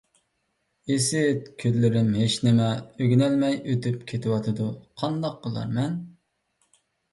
ئىسىت، كۈنلىرىم ھېچنېمە ئۆگىنەلمەي ئۆتۈپ كېتىۋاتىدۇ. قانداق قىلارمەن؟